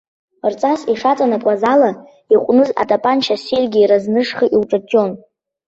Рҵас ишаҵанакуаз ала, иҟәныз атапанча ссиргьы разнышха иуҿаҷҷон.